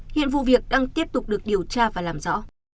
hiện vụ việc đang tiếp tục được điều tra và làm rõ